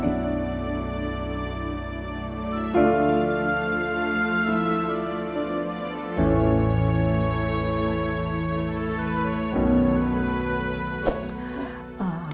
tidak ada yang bisa diberikan